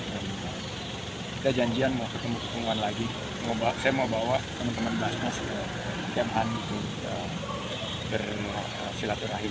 dan kita janjian mau ketemu keungguan lagi saya mau bawa teman teman baskas ke jamhan untuk berfilaturahim